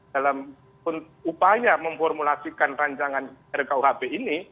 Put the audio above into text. dalam upaya memformulasikan rancangan rkuhp ini